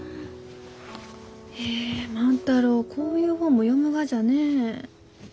へえ万太郎こういう本も読むがじゃねえ。